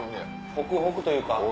ホクホクというか。